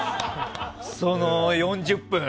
その４０分。